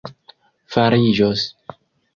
fariĝos